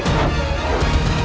dan menangkap kake guru